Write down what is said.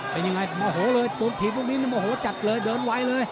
เป็นยังไงโมโหเลยปูนถีบพวกนี้โมโหจัดเลยเดินไวเลย